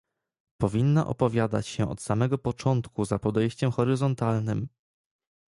Powinna opowiadać się od samego początku za podejściem horyzontalnym